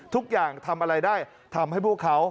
ทุกอย่างทำอะไรได้ทำให้พวกเขา